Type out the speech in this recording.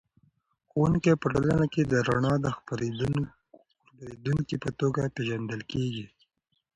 ښوونکی په ټولنه کې د رڼا د خپروونکي په توګه پېژندل کېږي.